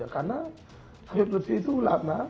karena habib lutfi itu lama